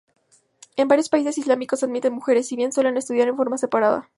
En varios países islámicos admiten mujeres, si bien suelen estudiar en forma separada.